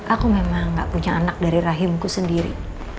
aku memang gak punya anak dari rahimku sendiri